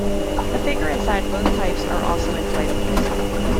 The figures inside both types are also inflatables.